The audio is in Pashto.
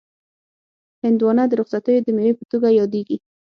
هندوانه د رخصتیو د مېوې په توګه یادیږي.